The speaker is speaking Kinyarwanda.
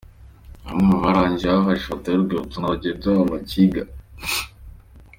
Bamwe mu barangije bafashe ifoto y'u rwibutso na bagenzi babo bakiga.